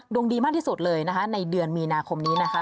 ดีมากที่สุดเลยนะคะในเดือนมีนาคมนี้นะคะ